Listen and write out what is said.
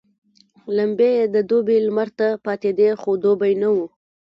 لمبې يې د دوبي لمر ته پاتېدې خو دوبی نه وو.